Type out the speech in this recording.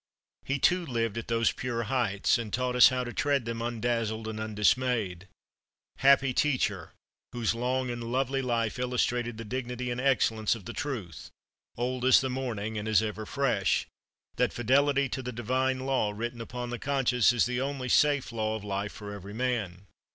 He too lived at those pure heights, and taught us how to tread them undazzled and undismayed. Happy teacher, whose long and lovely life illustrated the dignity and excellence of the truth, old as the morning and as ever fresh, that fidelity to the divine law written upon the conscience is the only safe law of life for every man.